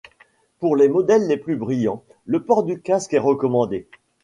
Pour les modèles les plus bruyants, le port du casque est recommandé.